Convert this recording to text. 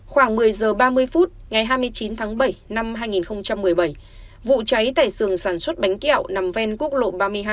khoảng một mươi h ba mươi phút ngày hai mươi chín tháng bảy năm hai nghìn một mươi bảy vụ cháy tại sườn sản xuất bánh kẹo nằm ven quốc lộ ba mươi hai